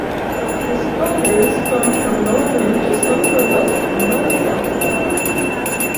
The spider is found from northern to central western Madagascar.